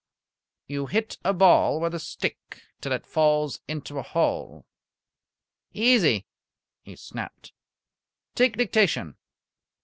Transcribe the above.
"You hit a ball with a stick till it falls into a hole." "Easy!" he snapped. "Take dictation."